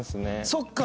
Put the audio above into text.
そっか。